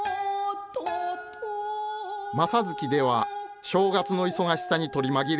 「正月」では正月の忙しさに取り紛れ